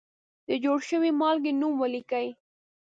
د جوړې شوې مالګې نوم ولیکئ.